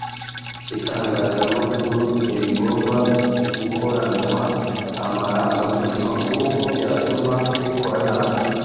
Itangazamakuru ntirigomba gukoranwa amarangamutima kuko byatuma rikora nabi